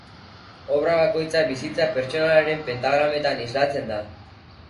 Obra bakoitza bizitza pertsonalaren pentagrametan islatzen da.